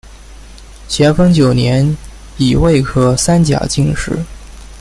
咸丰九年己未科三甲进士。